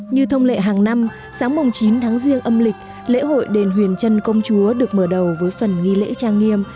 như thông lệ hàng năm sáng mùng chín tháng riêng âm lịch lễ hội đền huyền trân công chúa được mở đầu với phần nghi lễ trang nghiêm